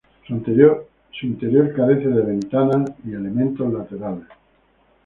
Su interior carece de ventanas y elementos laterales.